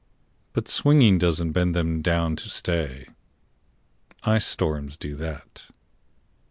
But swinging doesn't bend them down to stay. Ice storms do that.